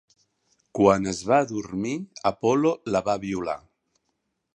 Quan es va adormir Apol·lo la va violar.